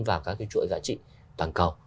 vào các cái chuỗi giá trị toàn cầu